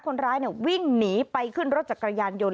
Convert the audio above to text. คนร้ายวิ่งหนีไปขึ้นรถจักรยานยนต์